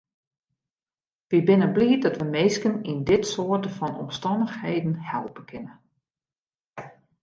Wy binne bliid dat wy minsken yn dit soarte fan omstannichheden helpe kinne.